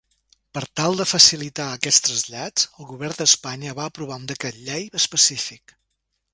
Per tal de facilitar aquests trasllats, el Govern d'Espanya va aprovar un decret llei específic.